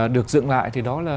được dựng lại thì đó là